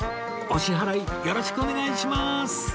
お支払いよろしくお願いしまーす